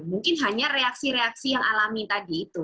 mungkin hanya reaksi reaksi yang alami tadi itu